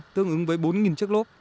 tương ứng với bốn chiếc lốp